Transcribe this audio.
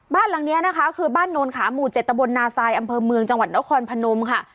บ้านหลังนี้นะคะคือบ้านโนนขาหมู่๗ตะบลนาซายอำเภอเมืองจังหวัดนครพนมค่ะ